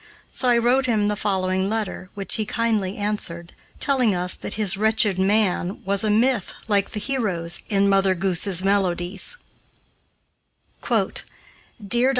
So I wrote him the following letter, which he kindly answered, telling us that his "wretched man" was a myth like the heroes in "Mother Goose's Melodies": "DEAR DR.